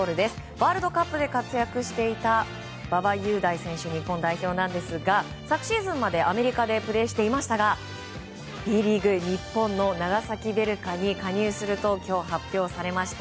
ワールドカップで活躍していた馬場雄大選手、日本代表ですが昨シーズンまでアメリカでプレーしていましたがＢリーグ日本の長崎ヴェルカに加入すると今日発表されました。